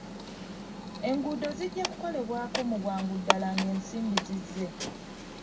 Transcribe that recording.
Enguudo zijja kukolebwako mu bwangu ddaala ng'ensimbi zizze.